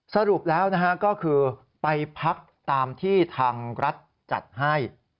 สรุปแล้วนะฮะก็คือไปพักตามที่ทางรัฐจัดให้